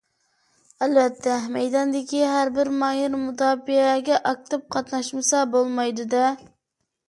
ئەلۋەتتە مەيداندىكى ھەر بىر ماھىر مۇداپىئەگە ئاكتىپ قاتناشمىسا بولمايدۇ-دە.